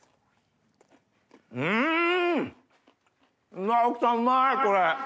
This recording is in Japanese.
うわ奥さんうまいこれ！